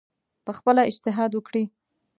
پخپله اجتهاد وکړي